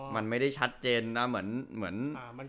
มันไม่ได้ชัดเจนนะ